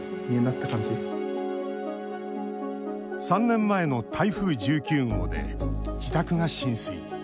３年前の台風１９号で自宅が浸水。